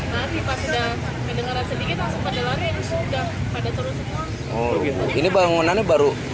lari pas sudah mendengarkan sedikit langsung pada lari terus sudah pada terus